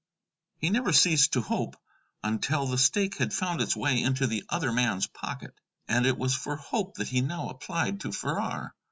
He never ceased to hope until the stake had found its way into the other man's pocket. And it was for hope that he now applied to Farrar.